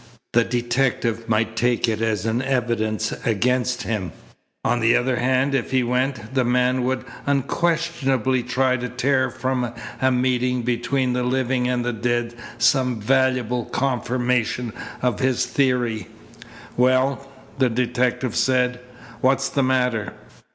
The detective might take it as an evidence against him. On the other hand, if he went, the man would unquestionably try to tear from a meeting between the living and the dead some valuable confirmation of his theory. "Well?" the detective said. "What's the matter?